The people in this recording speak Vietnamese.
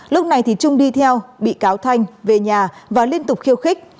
lúc này trung đi theo bị cáo thanh về nhà và liên tục khiêu khích